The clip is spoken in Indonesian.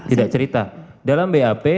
tidak cerita dalam bap